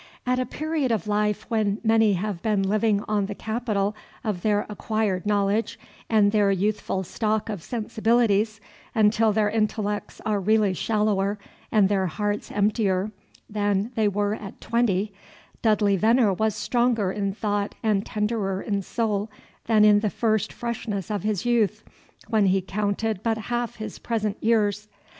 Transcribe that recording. At a period of life when many have been living on the capital of their acquired knowledge and their youthful stock of sensibilities until their intellects are really shallower and their hearts emptier than they were at twenty, Dudley Veneer was stronger in thought and tenderer in soul than in the first freshness of his youth, when he counted but half his present years.